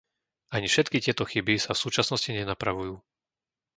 Ani všetky tieto chyby sa v súčasnosti nenapravujú.